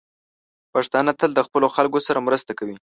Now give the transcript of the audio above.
پښتانه تل د خپلو خلکو سره مرسته کوي.